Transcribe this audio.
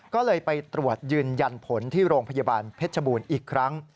ก็เลยไปตรวจยืนยันผลที่โรงพยาบาลเพชรบูรณ์อีกครั้ง